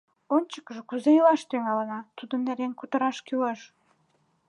Ончыкыжо кузе илаш тӱҥалына, тудын нерген кутыраш кӱлеш.